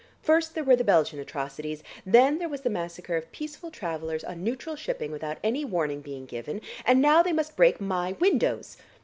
First there were the Belgian atrocities, then there was the massacre of peaceful travellers on neutral shipping without any warning begin given, and now they must break my windows.